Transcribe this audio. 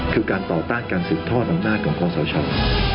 คือการต่อต้านการสุดท่อน้ำหน้ากล่องก้อนสาวชาว